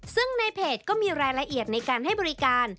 ซึ่งในเพจก็มีรายละเอียดในการให้บริการ